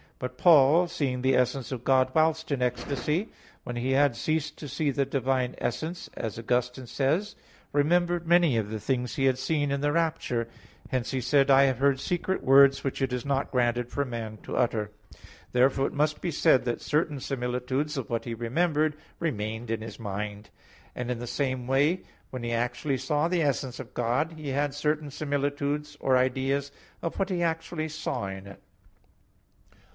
But Paul, seeing the essence of God whilst in ecstasy, when he had ceased to see the Divine essence, as Augustine says (Gen. ad lit. ii, 28,34), remembered many of the things he had seen in the rapture; hence he said: "I have heard secret words which it is not granted to man to utter" (2 Cor. 12:4). Therefore it must be said that certain similitudes of what he remembered, remained in his mind; and in the same way, when he actually saw the essence of God, he had certain similitudes or ideas of what he actually saw in it.